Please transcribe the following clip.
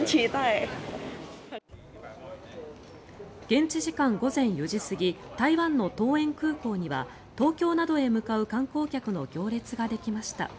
現地時間午前４時過ぎ台湾の桃園空港には東京などへ向かう観光客の行列ができました。